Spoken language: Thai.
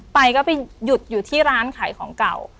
ไปก็ไปหยุดอยู่ที่ร้านขายของเก่า